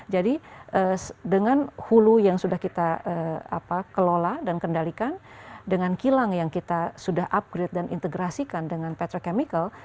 jadi dengan hulu yang sudah kita kelola dan kendalikan dengan kilang yang kita sudah upgrade dan integrasikan dengan petrochemical